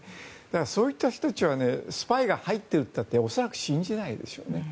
そういった人たちはスパイが入っていると言ったって恐らく信じないでしょうね。